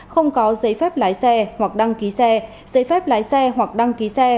không có giấy phép lái xe hoặc đăng ký xe giấy phép lái xe hoặc đăng ký xe